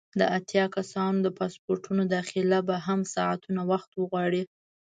د اتیا کسانو د پاسپورټونو داخله به ساعتونه وخت وغواړي.